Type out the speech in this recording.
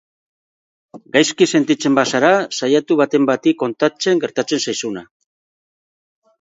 Gaizki sentitzen bazara, saiatu baten bati kontatzen gertatzen zaizuna.